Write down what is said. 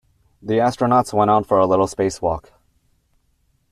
The astronauts went out for a little spacewalk.